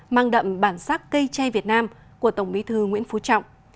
mang đậm bản sắc cây tre việt nam của tổng bí thư nguyễn phú trọng